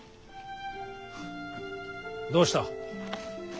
どうした。